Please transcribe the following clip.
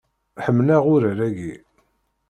Ḥemmleɣ urar-agi.